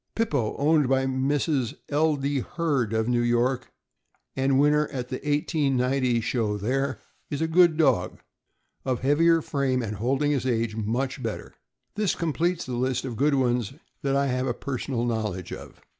Pippo, owned by Mrs. L. D. Hurd, of New York, and win ner at the 1890 show there, is a good dog, of heavier frame and holding his age much better. This completes the list of good ones that I have a personal knowledge of.